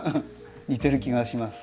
似てる気がします。